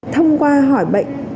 thông qua hỏi bệnh